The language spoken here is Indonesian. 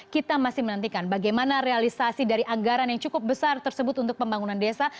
kita masih menantikan bagaimana realisasi dari anggaran yang cukup besar tersebut untuk pembangunan desa